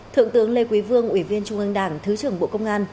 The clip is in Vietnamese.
thượng tướng lê quý vương ủy viên trung ương đảng thứ trưởng bộ công an